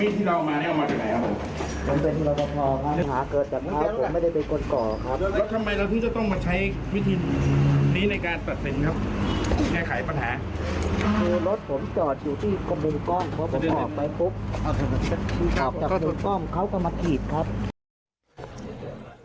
เพราะออกไปปุ๊บออกจากหนุ่มกล้อมเขาก็มาขีดครับ